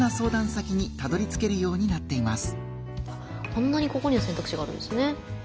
こんなにここには選択肢があるんですね。